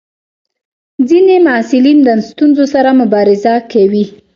ځینې محصلین د ستونزو سره مبارزه کوي.